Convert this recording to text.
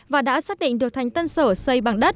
và đã xác định được thành tân sở xây